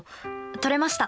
取れました。